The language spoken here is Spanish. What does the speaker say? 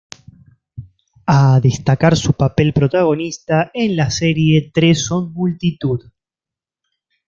A destacar su papel protagonista en la serie "Tres son multitud".